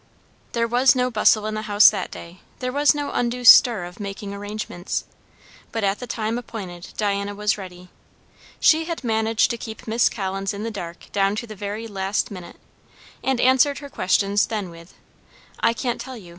There was no bustle in the house that day, there was no undue stir of making arrangements; but at the time appointed Diana was ready. She had managed to keep Miss Collins in the dark down to the very last minute, and answered her questions then with, "I can't tell you.